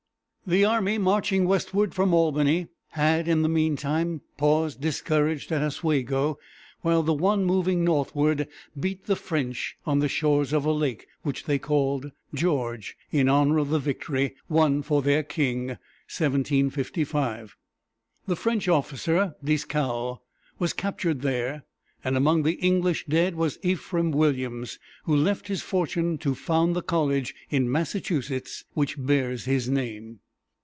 The army marching westward from Albany had, in the meantime, paused discouraged at Os we´go, while the one moving northward beat the French on the shores of a lake, which they called George, in honor of the victory won for their king (1755). The French officer Dieskau (dees´kow) was captured there, and among the English dead was Ephraim Williams, who left his fortune to found the college in Massachusetts which bears his name.